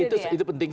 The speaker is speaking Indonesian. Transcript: itu itu penting